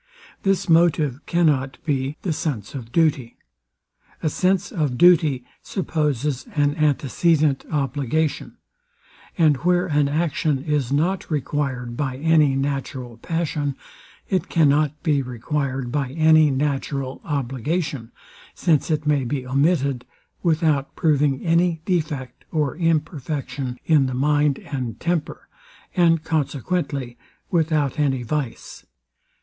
This motive cannot be the sense of duty. A sense of duty supposes an antecedent obligation: And where an action is not required by any natural passion, it cannot be required by any natural obligation; since it may be omitted without proving any defect or imperfection in the mind and temper, and consequently without any vice.